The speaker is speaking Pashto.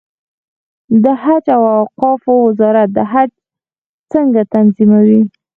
د حج او اوقافو وزارت حج څنګه تنظیموي؟